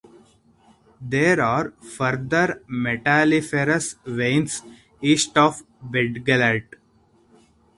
There are further metalliferous veins east of Beddgelert.